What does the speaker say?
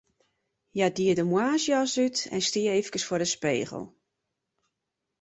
Hja die de moarnsjas út en stie efkes foar de spegel.